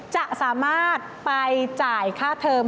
จะสามารถไปจ่ายค่าเทอม